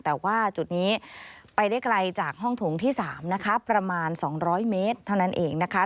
แต่ว่าจุดนี้ไปได้ไกลจากห้องถงที่๓นะคะประมาณ๒๐๐เมตรเท่านั้นเองนะคะ